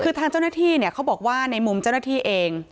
คือทางเจ้าหน้าที่เนี่ยเขาบอกว่าในมุมเจ้าหน้าที่เอง